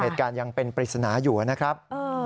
เหตุการณ์ยังเป็นปริศนาอยู่นะครับ